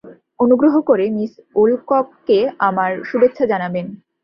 অনুগ্রহ করে মিস ওলকককে আমার শুভেচ্ছা জানাবেন।